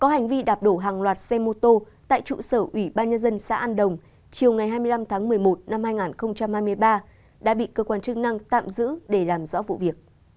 xe vi đạp đổ hàng loạt xe mô tô tại trụ sở ubnd xã an đồng chiều ngày hai mươi năm tháng một mươi một năm hai nghìn hai mươi ba đã bị cơ quan chức năng tạm giữ để làm rõ vụ việc